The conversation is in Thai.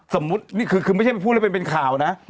ซัมมุตนี่คือไม่ใช่แค่พูดเลยเป็นข่าวนะ